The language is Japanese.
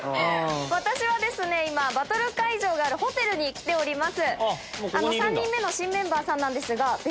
私は今バトル会場があるホテルに来ております。